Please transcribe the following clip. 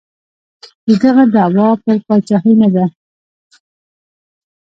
د ده دعوا پر پاچاهۍ نه ده.